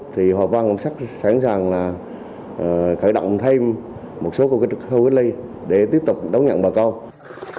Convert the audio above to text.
thì hòa văn cũng sẵn sàng là khởi động thêm một số khu cách ly để tiếp tục đón nhận bà con